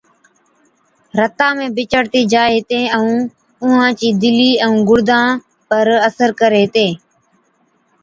رتا ۾ بِچڙتِي جائي هِتين ائُون اُونهان چِي دِلِي ائُون گُڙدان پر اثر ڪرين هِتين۔